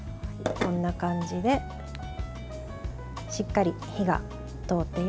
こんな感じでしっかり火が通っています。